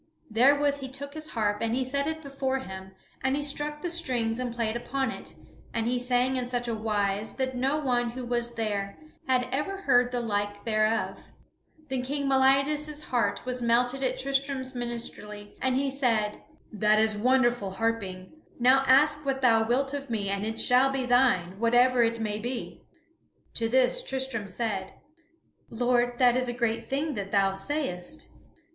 Therewith he took his harp and he set it before him, and he struck the strings and played upon it, and he sang in such a wise that no one who was there had ever heard the like thereof. Then King Meliadus' heart was melted at Tristram's minstrelsy, and he said: "That is wonderful harping. Now ask what thou wilt of me, and it shall be thine, whatever it may be." To this Tristram said, "Lord, that is a great thing that thou sayest."